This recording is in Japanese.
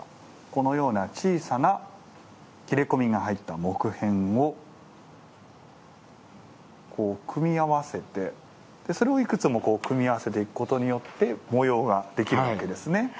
このような小さな切れ込みが入った木片を組み合わせてそれをいくつも組み合わせていくことによって模様ができるわけですね。